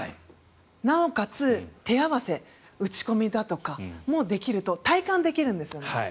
なおかつ、手合わせ打ち込みだとかもできると体感できるんですよね。